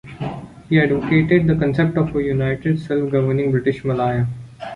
He advocated the concept of a "united self-governing British Malaya".